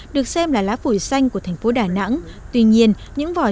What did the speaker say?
điểm du lịch này cũng là một trong những nơi